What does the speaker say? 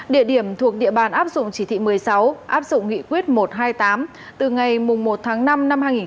địa điểm thuộc địa bàn áp dụng chỉ thị một mươi sáu áp dụng nghị quyết một trăm hai mươi tám từ ngày một tháng năm năm hai nghìn một mươi chín